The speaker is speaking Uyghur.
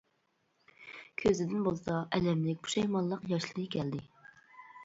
كۆزىدىن بولسا، ئەلەملىك، پۇشايمانلىق ياشلىرى كەلدى.